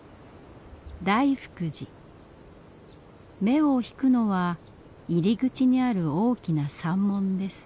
目を引くのは入り口にある大きな山門です。